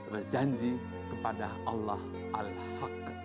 berjanji kepada allah al haq